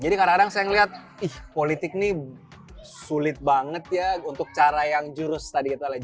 jadi kadang kadang saya ngeliat ih politik ini sulit banget ya untuk cara yang jurus tadi kita lihat